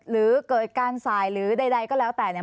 หรือเกิดการสายหรือใดก็แล้วแต่เนี่ย